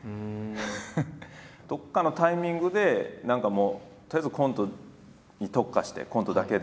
どっかのタイミングで何かもうとりあえずコントに特化してコントだけで。